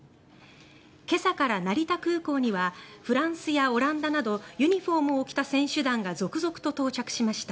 今朝から成田空港にはフランスやオランダなどユニホームを着た選手団が続々と到着しました。